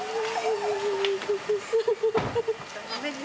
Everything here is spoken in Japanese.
ごめんね。